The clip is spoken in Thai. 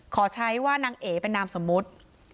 ขอใช้ว่านางเอ๋เป็นนามสมมุติ